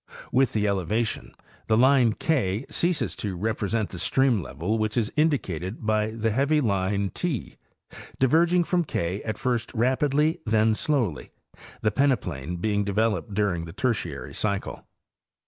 With the elevation, the line K ceases to represent the stream level which is indicated by the heavy line 7, diverging from K at first rapidly and then slowly, the peneplain being developed during the Tertiary cycle.